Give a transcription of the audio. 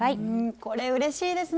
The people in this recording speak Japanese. これうれしいですね。